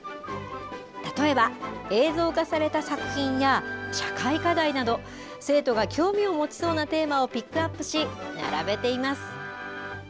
例えば映像化された作品や社会課題などを生徒が興味を持ちそうのテーマをピックアップし並べています。